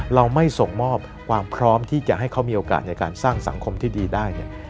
เราไม่ส่งมอบความพร้อมที่จะให้เขามีโอกาสในการสร้างสังคมที่ดีได้เนี่ย